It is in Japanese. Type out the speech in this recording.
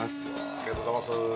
ありがとうございます。